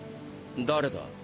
誰だ？